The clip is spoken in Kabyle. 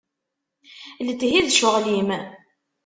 Letthi d ccɣel-im.